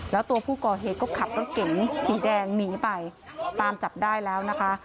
แล้วตัวผู้ก่อเหตุก็ขับรถเก๋งสีแดงหนีไปตามจับได้แล้วนะคะ